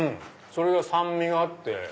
それが酸味があって。